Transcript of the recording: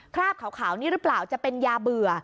ราบขาวนี่หรือเปล่าจะเป็นยาเบื่อ